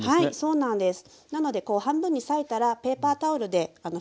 そうなんです。